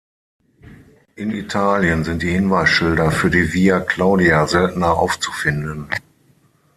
In Italien sind die Hinweisschilder für die Via Claudia seltener aufzufinden.